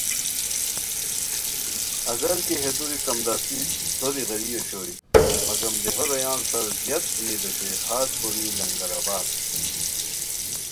اگر کی ہے دُوری کمدستی سوری غیری اوشوئے مگم دیہو رویان سار زیاد امید اوشوئے خاص کوری لنگر آباد